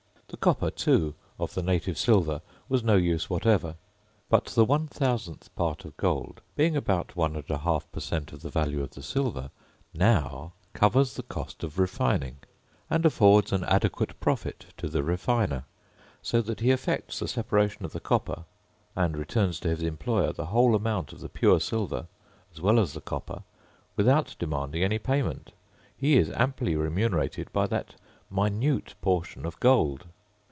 The copper, too, of the native silver was no use whatever. But the 1/1000th part of gold, being about one and a half per cent. of the value of the silver, now covers the cost of refining, and affords an adequate profit to the refiner; so that he effects the separation of the copper, and returns to his employer the whole amount of the pure silver, as well as the copper, without demanding any payment: he is amply remunerated by that minute portion of gold.